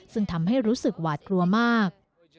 ซึ่งทำให้รู้สึกหวาดกลัวมาก